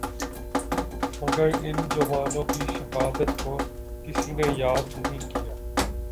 مگر ان جوانوں کی شہادت کو کسی نے یاد نہیں کیا